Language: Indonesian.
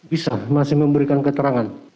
bisa masih memberikan keterangan